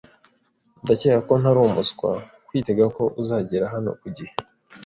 Ndakeka ko nari umuswa kwitega ko uzagera hano ku gihe.